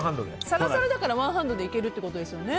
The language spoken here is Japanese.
サラサラだからワンハンドでいけるってことですよね。